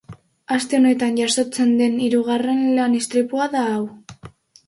Aste honetan jazotzen den hirugarren lan-istripua da hau.